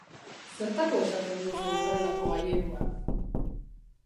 Zertako esaten duzu horrelako aierua?